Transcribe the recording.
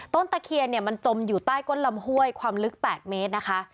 ตะเคียนเนี่ยมันจมอยู่ใต้ก้นลำห้วยความลึก๘เมตรนะคะ